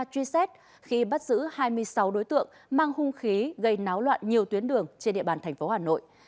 truy xét khi bắt giữ hai mươi sáu đối tượng mang hung khí gây náo loạn nhiều tuyến đường trên địa bàn thành phố hà nội